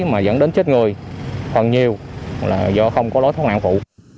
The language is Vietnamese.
mà dẫn đến chết người còn nhiều là do không có lối thoát nạn phụ